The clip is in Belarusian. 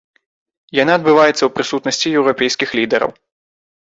Яна адбываецца ў прысутнасці еўрапейскіх лідараў.